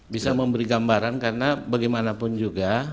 bisa memberi gambaran karena bagaimanapun juga